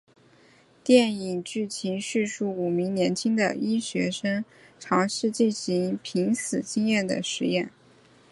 电影剧情叙述五名年轻的医学生尝试进行濒死经验的实验。